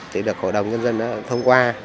thì được hội đồng nhân dân thông qua